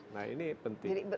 nah ini penting